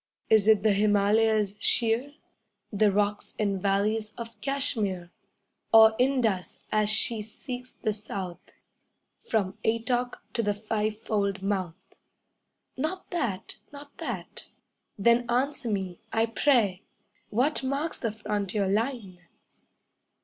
Is it the Himalayas sheer, The rocks and valleys of Cashmere, Or Indus as she seeks the south From Attoch to the fivefold mouth? 'Not that! Not that!' Then answer me, I pray! What marks the frontier line?